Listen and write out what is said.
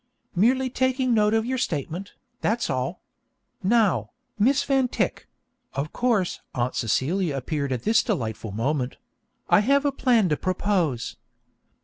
'Merely taking note of your statement, that's all. Now, Miss Van Tyck' (of course Aunt Celia appeared at this delightful moment), 'I have a plan to propose.